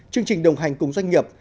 chương trình đồng hành cùng doanh nghiệp